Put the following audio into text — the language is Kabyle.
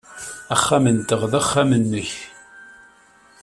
Axxam-nteɣ d axxam-nnek.